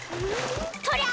とりゃ！